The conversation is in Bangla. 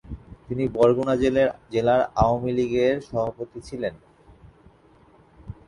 তিনি বরগুনা জেলা আওয়ামীলীগের সভাপতি ছিলেন।